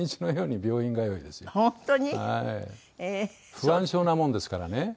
不安症なものですからね。